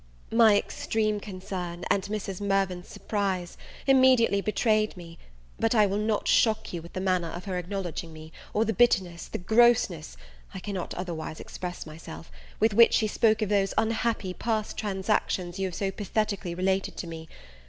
My extreme concern, and Mrs. Mirvan's surprise, immediately betrayed me. But, I will not shock you with the manner of her acknowledging me, or the bitterness, the grossness I cannot otherwise express myself, with which she spoke of those unhappy past transactions you have so pathetically related to me.